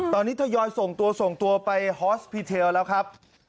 ตอนนี้ถยอยส่งตัวไปฮอสพิเทลแล้วครับ